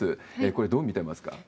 これ、どう見ていますか。